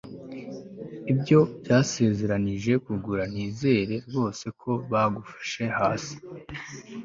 ibyo byasezeranije kuguha nizere rwose ko bagufashe hasi